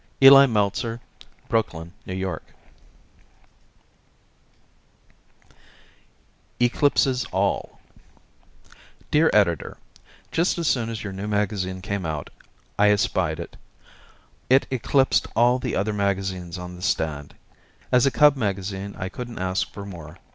Eli Meltzer, 1466 Coney Island Ave., Brooklyn, N. Y. "Eclipses All" Dear Editor: Just as soon as your new magazine came out I espied it. It eclipsed all the other magazines on the stand. As a cub magazine I couldn't ask for more.